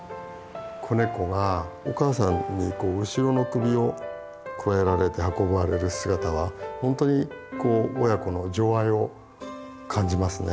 子ネコがお母さんに後ろの首をくわえられて運ばれる姿は本当にこう親子の情愛を感じますね。